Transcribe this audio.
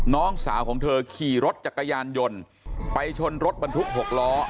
น้องสาวของเธอขี่รถจักรยานยนต์ไปชนรถบรรทุก๖ล้อ